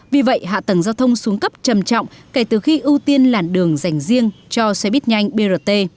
vì vậy hạ tầng giao thông xuống cấp trầm trọng kể từ khi ưu tiên làn đường dành riêng cho xe bít nhanh brt